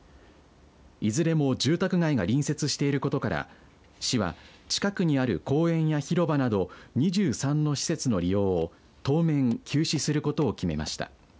いずれも住宅街が隣接していることから市は近くにある公園や広場など２３の施設の利用を当面休止することを決めました。